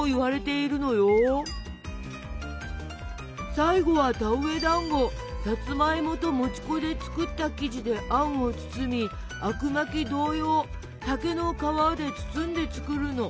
最後はさつまいもともち粉で作った生地であんを包みあくまき同様竹の皮で包んで作るの。